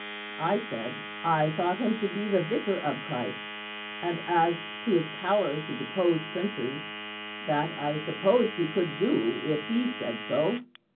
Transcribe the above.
I said I thought him to be the Vicar of Christ; and as to his power to depose princes, that I supposed he could do, if he said so.